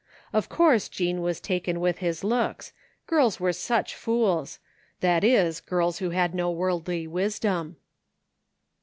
Of course Jean was taken with his looks. Girls were such fools ; that is, girls who had no worldly wisdom.